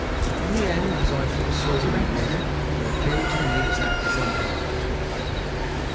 In the end, as I foresaw they would, they appealed to me to act as umpire between them.